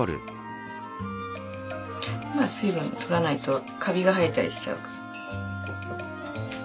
まあ水分取らないとカビが生えたりしちゃうから。